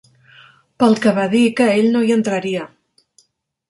Pel que va dir que ell no hi entraria.